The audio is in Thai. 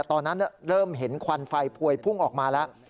ตอนนั้นเริ่มเห็นควันไฟพวยพุ่งออกมาแล้ว